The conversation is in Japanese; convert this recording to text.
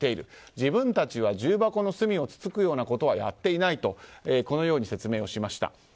自分たちは重箱の隅をつつくようなことはやっていないと説明しました。